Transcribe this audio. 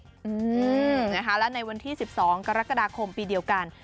อืมนะคะและในวันที่๑๒กรกฎาคมปีเดียวกัน